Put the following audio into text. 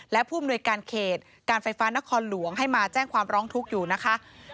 และผู้อำนวยการเขตการไฟฟ้านครหลวงให้มาแจ้งความร้องทุกข์อยู่นะคะ